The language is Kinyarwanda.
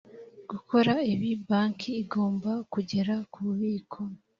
gukora ibi banki igomba kugera ku bubiko